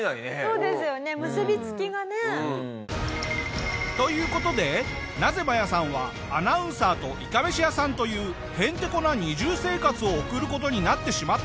そうですよね結び付きがね。という事でなぜマヤさんはアナウンサーといかめし屋さんというヘンテコな二重生活を送る事になってしまったのか？